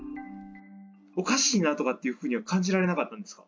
おかしいなというふうには感じられなかったんですか？